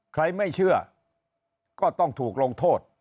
ใครไม่เชื่อก็ต้องถูกลงโทษ